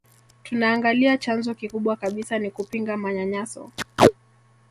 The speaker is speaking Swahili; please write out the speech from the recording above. Tunaangalia chanzo kikubwa kabisa ni kupinga manyanyaso